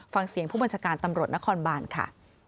ฟังเสียงผู้บัญชาการตำรวจนครบานค่ะ